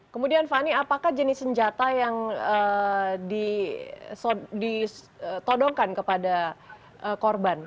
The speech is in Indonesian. kemudian fani apakah jenis senjata yang ditodongkan kepada korban